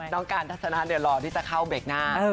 การทัศนะเดี๋ยวรอที่จะเข้าเบรกหน้า